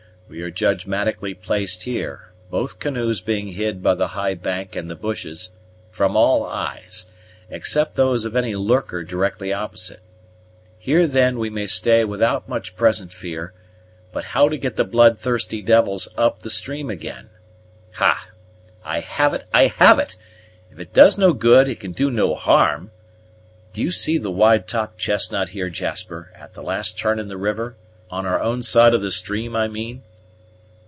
We are judgmatically placed here, both canoes being hid by the high bank and the bushes, from all eyes, except those of any lurker directly opposite. Here, then, we may stay without much present fear; but how to get the bloodthirsty devils up the stream again? Ha! I have it, I have it! if it does no good, it can do no harm. Do you see the wide topped chestnut here, Jasper, at the last turn in the river on our own side of the stream, I mean?"